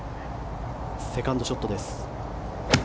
セカンドショットです。